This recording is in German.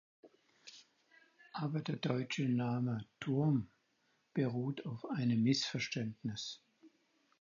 Aber der deutsche Name "„Turm“" beruht auf einem Missverständnis.